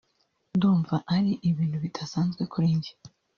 ndumva ari ibintu bidasanzwe kuri njye